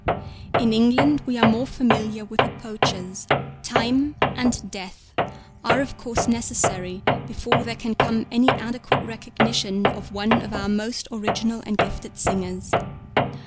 In England we are more familiar with the poachers. Time and Death are of course necessary before there can come any adequate recognition of one of our most original and gifted singers.